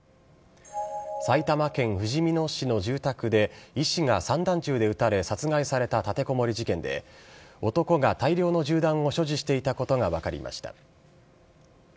埼玉県ふじみ野市の住宅で、医師が散弾銃で撃たれ殺害された立てこもり事件で、男が大量の銃弾を所持していたことが分かりました。